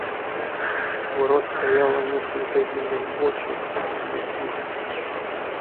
У ворот стояло несколько винных бочек и две пушки.